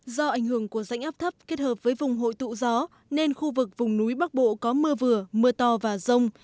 do ảnh hưởng của rãnh áp thấp kết hợp với vùng hội tụ gió nên khu vực vùng núi bắc bộ có mưa vừa mưa to và rông